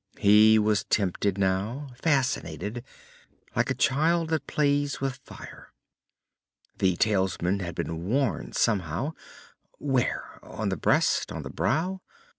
He was tempted now, fascinated, like a child that plays with fire. The talisman had been worn somehow. Where? On the breast? On the brow?